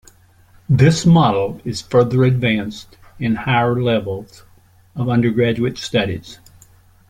This model is further advanced in higher levels of undergraduate studies.